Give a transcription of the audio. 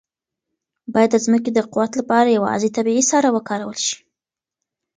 باید د ځمکې د قوت لپاره یوازې طبیعي سره وکارول شي.